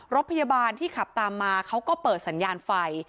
รถพยาบาลที่ขับตามมาเขาก็เปิดสัญญาณไฟ